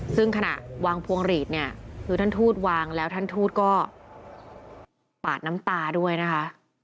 ซึ่งขณะวางพวงหลีดเนี่ยคือท่านทูตวางแล้วท่านทูตก็ปาดน้ำตาด้วยนะคะ